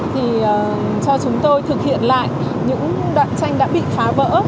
thì cho chúng tôi thực hiện lại những đoạn tranh đã bị phá vỡ